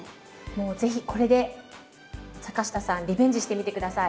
もう是非これで坂下さんリベンジしてみて下さい。